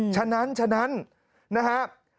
ฉะนั้นนะครับ